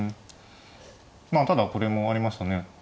まあただこれもありましたね。